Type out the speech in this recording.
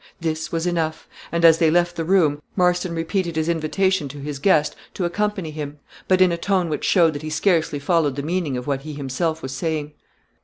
This was enough; and as they left the room, Marston repeated his invitation to his guest to accompany him; but in a tone which showed that he scarcely followed the meaning of what he himself was saying.